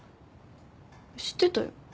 知ってたよ。